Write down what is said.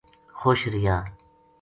خوش رہیا